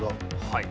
はい。